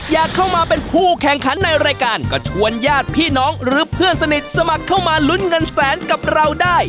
อยากเข้ามาเป็นผู้แข่งขันในรายการก็ชวนญาติพี่น้องหรือเพื่อนสนิทสมัครเข้ามาลุ้นเงินแสนกับเราได้